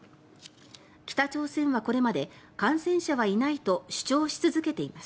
北朝鮮はこれまで感染者はいないと主張し続けています。